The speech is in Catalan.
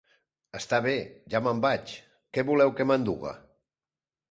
Està bé! Ja me'n vaig. Què voleu que m'enduga?